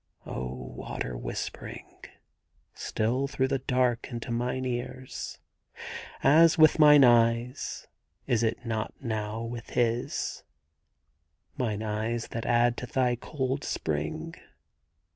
' O water whispering Still through the dark into mine ears^ — As with mine eyes, is it not now with his ?— Mine eyes that add to thy cold spring.